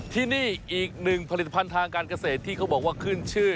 ที่นี่อีกหนึ่งผลิตภัณฑ์ทางการเกษตรที่เขาบอกว่าขึ้นชื่อ